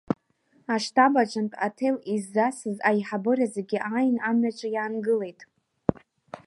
Аштаб аҿынтә аҭел иззасыз аиҳабыра зегьы ааин, амҩаҿы иаангылеит.